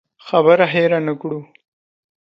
خبره هېره نه کړو.